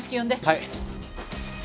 はい。